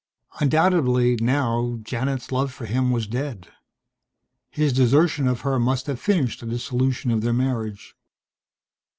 Undoubtedly, now, Janith's love for him was dead. His desertion of her must have finished the dissolution of their marriage.